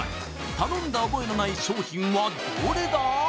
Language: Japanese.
頼んだ覚えのない商品はどれだ？